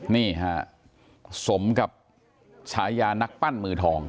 นี่ฮะสมกับฉายานักปั้นมือทอง